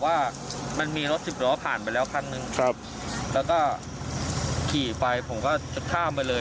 ว่ามันมีรถสิบล้อผ่านไปแล้วครั้งนึงครับแล้วก็ขี่ไปผมก็จะข้ามไปเลย